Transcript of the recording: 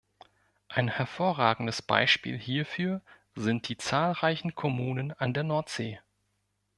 Ein hervorragendes Beispiel hierfür sind die zahlreichen Kommunen an der Nordsee.